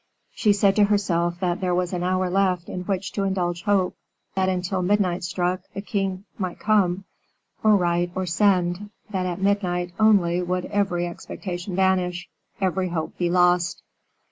She said to herself that there was an hour left in which to indulge hope; that until midnight struck, the king might come, or write or send; that at midnight only would every expectation vanish, every hope be lost.